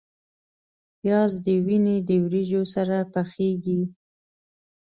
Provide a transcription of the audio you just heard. پیاز د وینې د وریجو سره پخیږي